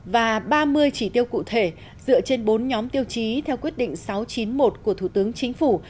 và ba mươi chỉ tiêu cụ thể dựa trên bốn nhóm tiêu chí theo quyết định sáu trăm chín mươi một của thủ tướng chính phủ